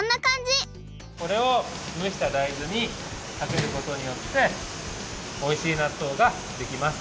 これをむした大豆にかけることによっておいしいなっとうができます。